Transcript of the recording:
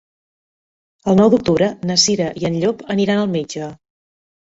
El nou d'octubre na Cira i en Llop aniran al metge.